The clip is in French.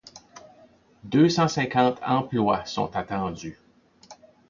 Deux-cent-cinquante emplois sont attendus.